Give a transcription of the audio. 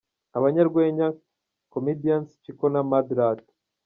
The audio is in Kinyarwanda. Abanyarwenya Comedians Chicko na Mad Rat.